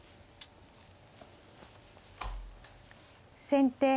先手